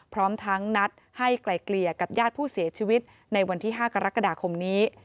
พร้อมทั้งนัดให้ไกลเกลี่ยกับญาติผู้เสียชีวิตในวันที่๕กรกฎาคมนี้